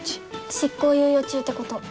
執行猶予中ってこと。